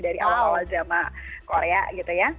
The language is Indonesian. dari awal awal drama korea gitu ya